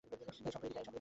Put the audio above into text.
এই শংকর, এদিক আয়!